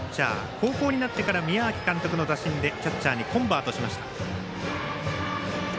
高校になってから宮秋監督の打診でキャッチャーにコンバートしました。